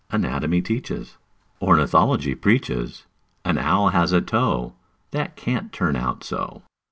Anatomy teaches, Ornithology preaches An owl has a toe That can't turn out so!